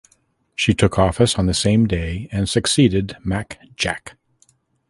She took office on the same day and succeeded Mac Jack.